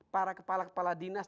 para kepala kepala dinas